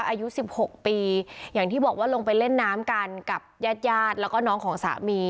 อายุ๑๖ปีอย่างที่บอกว่าลงไปเล่นน้ำกันกับญาติญาติแล้วก็น้องของสามี